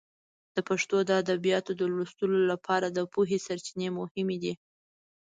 د پښتو د ادبیاتو د لوستلو لپاره د پوهې سرچینې مهمې دي.